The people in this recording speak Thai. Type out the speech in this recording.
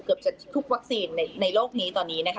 เกือบจะทุกวัคซีนในโลกนี้ตอนนี้นะคะ